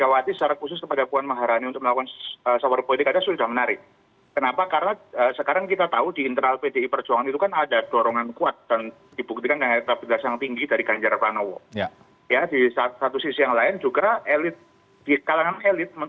bagaimana perjuangan pdi perjuangan ini